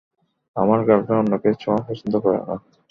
আমার গার্লফ্রেন্ড অন্যকে ছোঁয়া পছন্দ করে না।